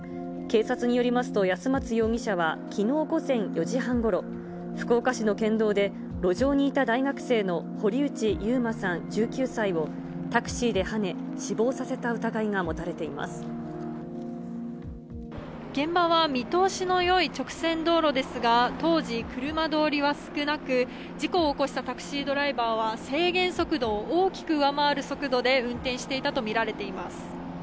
警察によりますと、安松容疑者はきのう午前４時半ごろ、福岡市の県道で、路上にいた大学生の堀内悠馬さん１９歳を、タクシーではね、死亡させた疑いが持たれてい現場は見通しのよい直線道路ですが、当時、車通りは少なく、事故を起こしたタクシードライバーは、制限速度を大きく上回る速度で運転していたと見られています。